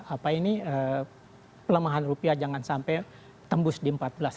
apa ini pelemahan rupiah jangan sampai tembus di empat belas